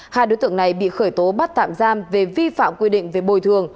hai đối tượng này bị khởi tố bắt tạm giam về vi phạm quy định về bồi thường